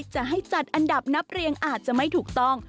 จะให้จัดอันดับนับเรียงอาจจะไม่ถูกต้อง